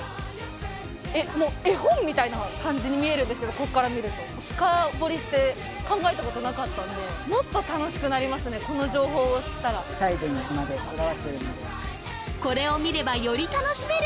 えっもう絵本みたいな感じに見えるんですけどここから見ると深掘りして考えたことなかったんでもっと楽しくなりますねこの情報を知ったら細部にまでこだわってるのでこれを見ればより楽しめる！